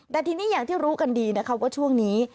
แต่ทีนี้อย่างที่รู้กันดีนะคะว่าช่วงนี้